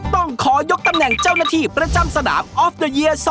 ต้องขอยกตำแหน่งเจ้าหน้าที่ประจำสนามออฟเตอร์เยีย๒